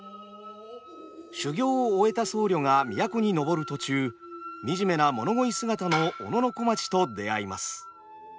修行を終えた僧侶が都に上る途中惨めな物乞い姿の小野小町と出会います。